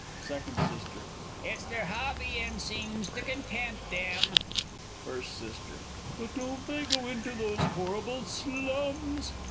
Second S. It's their hobby, and seems to content them. First S. But don't they go into those horrible slums?